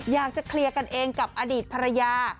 อยากจะเคลียร์กันเองกับอดีตภรรยา